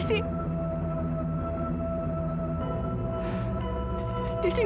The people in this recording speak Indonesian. desi gak mau jadi pacar a'a